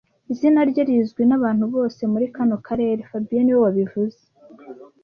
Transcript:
Izina rye rizwi nabantu bose muri kano karere fabien niwe wabivuze